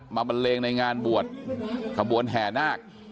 บันเลงในงานบวชขบวนแห่นาค